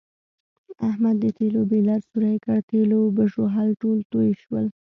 احمد د تېلو بیلر سوری کړ، تېلو بژوهل ټول تویې شول.